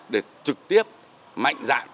để trực tiếp mạnh dạn